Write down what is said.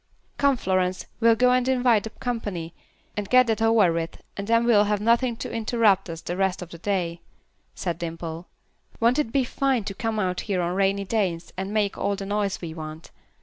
"Come, Florence, we'll go and invite the company, and get that over with, and then we'll have nothing to interrupt us the rest of the day," said Dimple. "Won't it be fine to come out here on rainy days and make all the noise we want.